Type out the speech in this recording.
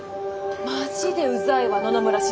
マジでうざいわ野々村静。